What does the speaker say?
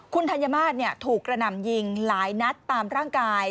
คุณธัญมาศถูกกระหน่ำยิงหลายนัดตามร่างกาย